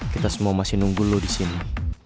kita semua masih nunggu lo disini